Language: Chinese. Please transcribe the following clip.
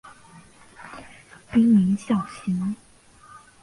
滨名孝行。